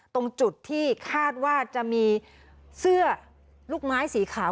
ตรงจุดที่คาดว่าจะมีเสื้อลูกไม้สีขาว